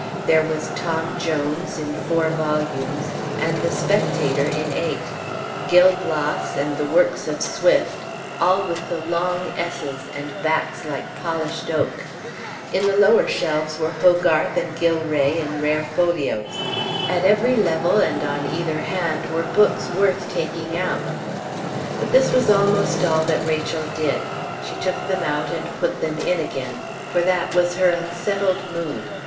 There was Tom Jones in four volumes and the Spectator in eight, Gil Blas and the works of Swift, all with the long "s," and backs like polished oak; in the lower shelves were Hogarth and Gillray in rare folios; at every level and on either hand were books worth taking out. But this was almost all that Rachel did; she took them out and put them in again, for that was her unsettled mood.